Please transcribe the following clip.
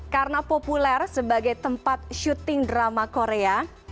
karena populer sebagai tempat syuting drama korea